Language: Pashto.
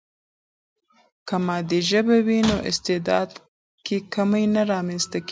که مادي ژبه وي، نو استعداد کې کمی نه رامنځته کیږي.